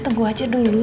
tunggu aja dulu